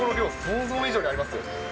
タラコの量、想像以上にありますよ。